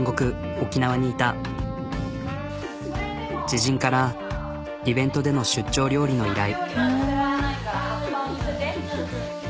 知人からイベントでの出張料理の依頼。